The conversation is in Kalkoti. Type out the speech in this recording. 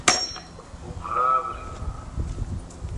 پو غاب ریگون۔